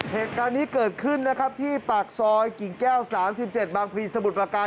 เหตุการณ์นี้เกิดขึ้นนะครับที่ปากซอยกิ่งแก้ว๓๗บางพลีสมุทรประการ